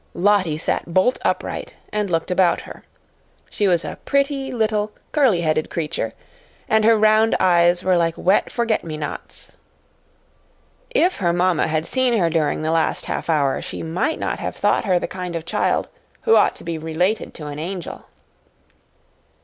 Lottie sat bolt upright, and looked about her. She was a pretty, little, curly headed creature, and her round eyes were like wet forget me nots. If her mamma had seen her during the last half hour, she might not have thought her the kind of child who ought to be related to an angel.